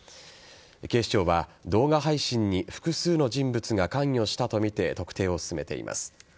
警視庁は、動画配信に複数の人物が関与したとみて特定を進めています。